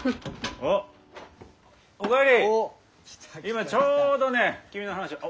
今ちょうどね君の話を。